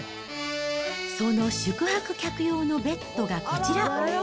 その宿泊客用のベッドがこちら。